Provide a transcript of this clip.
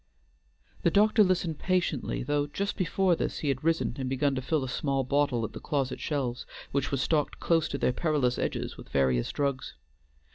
The doctor listened patiently, though just before this he had risen and begun to fill a small bottle at the closet shelves, which were stocked close to their perilous edges with various drugs.